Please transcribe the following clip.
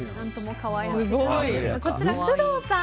こちら、工藤さん